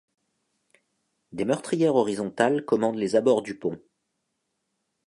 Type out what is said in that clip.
Des meurtrières horizontales commandent les abords du pont.